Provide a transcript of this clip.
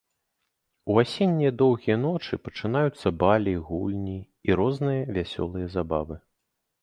У асеннія доўгія ночы пачынаюцца балі, гульні і розныя вясёлыя забавы.